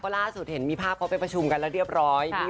เราร่าสุดเห็นมีภาพพวกเอาไปพระชมกันแล้วเรียบร้อย